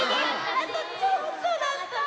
あとちょっとだった。